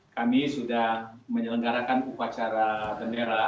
kami sudah menyelenggarakan upacara bendera